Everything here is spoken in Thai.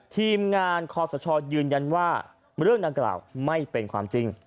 ทีมงานคอสชยืนยันว่าเรื่องดังกล่าวไม่เป็นความจริง